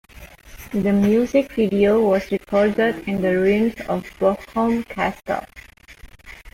The music video was recorded in the ruins of Borgholm Castle.